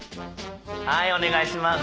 はいお願いしま